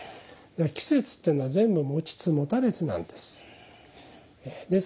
季節ってのは全部持ちつ持たれつなんです。